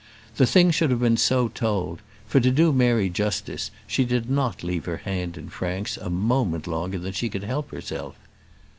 The thing should have been so told; for, to do Mary justice, she did not leave her hand in Frank's a moment longer than she could help herself.